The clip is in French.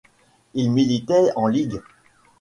Il militait en ligue.